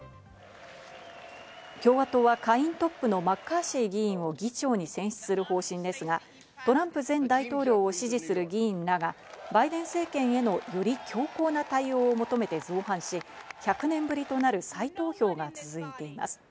共和党は下院トップのマッカーシー議員を議長に選出する方針ですが、トランプ前大統領を支持する議員らがバイデン政権へのより強硬な対応を求めて造反し、１００年ぶりとなる再投票が続いています。